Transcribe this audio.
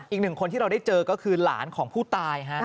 อีกหนึ่งคนที่เราได้เจอก็คือหลานของผู้ตาย